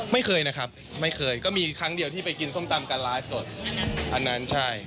ไม่เคยนะครับไม่เคยก็มีครั้งเดียวที่ไปกินส้มตำการไลฟ์สดอันนั้นใช่